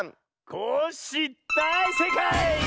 コッシーだいせいかい！